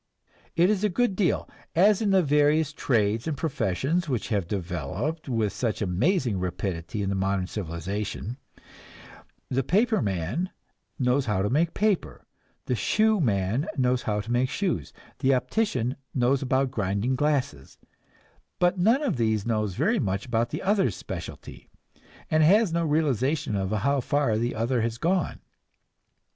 It is a good deal as in the various trades and professions which have developed with such amazing rapidity in modern civilization; the paper man knows how to make paper, the shoe man knows how to make shoes, the optician knows about grinding glasses, but none of these knows very much about the others' specialties, and has no realization of how far the other has gone.